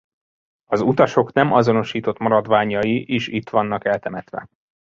Az utasok nem azonosított maradványai is itt vannak eltemetve.